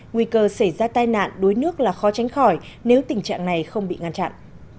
nguy cơ xảy ra tai nạn đuối nước là khó tránh khỏi nếu tình trạng này không bị ngăn chặn